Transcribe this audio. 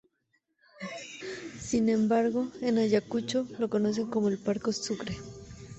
Sin embargo, en Ayacucho, lo conocen como el Parque Sucre.